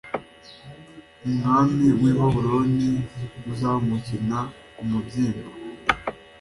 umwami w i babuloni uzamukina ku mubyimba